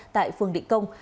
tại phương định công